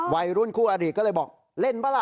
วัยรุ่นคู่อริก็เลยบอกเล่นป่ะล่ะ